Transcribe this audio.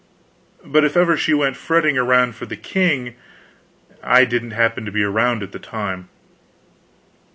but if ever she went fretting around for the king I didn't happen to be around at the time.